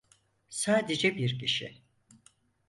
Sadece bir kişi.